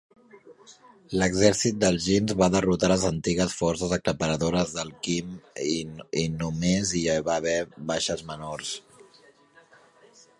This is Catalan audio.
L'exèrcit dels Jin va derrotar les antigues forces aclaparadores dels Quin i només hi va haver baixes menors.